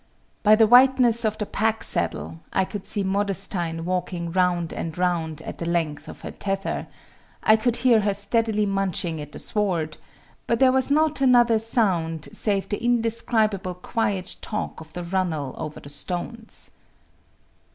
By the whiteness of the pack saddle I could see Modestine walking round and round at the length of her tether; I could hear her steadily munching at the sward; but there was not another sound save the indescribable quiet talk of the runnel over the stones.